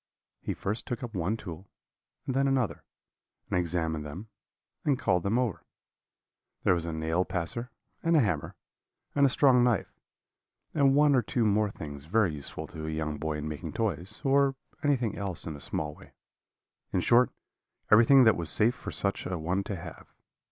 "He first took up one tool and then another, and examined them, and called them over. There was a nail passer, and a hammer, and a strong knife, and one or two more things very useful to a young boy in making toys, or anything else in a small way; in short, everything that was safe for such a one to have.